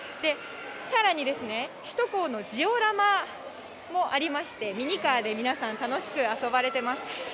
さらに、首都高のジオラマもありまして、ミニカーで皆さん、楽しく遊ばれています。